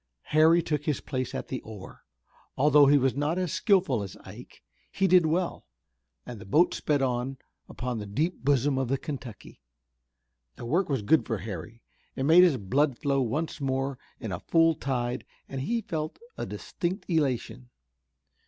Harry took his place at the oar. Although he was not as skillful as Ike, he did well, and the boat sped on upon the deep bosom of the Kentucky. The work was good for Harry. It made his blood flow once more in a full tide and he felt a distinct elation.